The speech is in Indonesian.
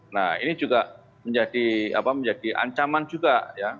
nah ini juga menjadi ancaman juga ya